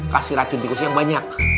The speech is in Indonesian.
kasih racun tikus yang banyak